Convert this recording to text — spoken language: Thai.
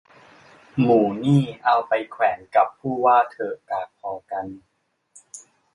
หมูนี่เอาไปแขวนกับผู้ว่าเถอะ กากพอกัน